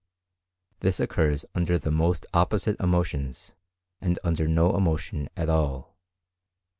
This occurs under the most opposite emotions, and under no emotion at all.